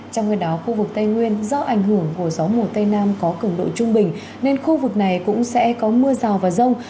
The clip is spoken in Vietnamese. trong khi đó khu vực tây nguyên do ảnh hưởng của gió mùa tây nam có cứng độ trung bình nên khu vực này cũng sẽ có mưa rào và rông